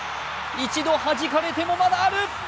一度はじかれても、まだある！